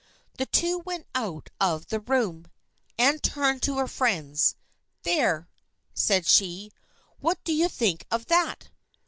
The two went out of the room. Anne turned to her friends. " There !" said she. " What do you think of that?"